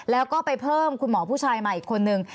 แล้วก็ไปเพิ่มคุณหมอผู้ชายมาอีกคนนึง